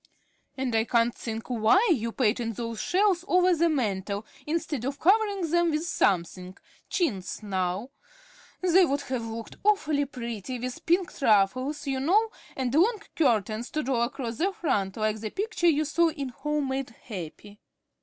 "And I can't think why you painted those shelves over the mantel instead of covering them with something, chintz, now. They would have looked awfully pretty with pinked ruffles, you know, and long curtains to draw across the front like that picture you saw in 'Home made Happy.'"